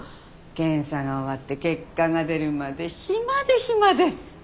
検査が終わって結果が出るまで暇で暇で。